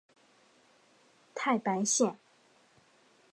太白线